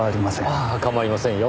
ああ構いませんよ。